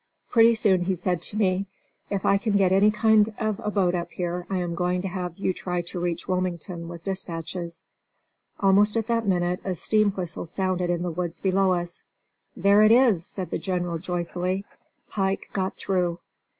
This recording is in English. Pretty soon he said to me: "If I can get any kind of a boat up here, I am going to have you try to reach Wilmington with dispatches." Almost at that minute a steam whistle sounded in the woods below us. "There it is," said the General joyfully. "Pike got through."